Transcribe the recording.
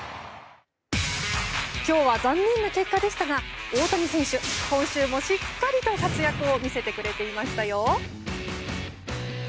今日は残念な結果でしたが大谷選手、今週もしっかりと活躍を見せてくれていましたよ。